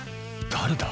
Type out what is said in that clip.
誰だ？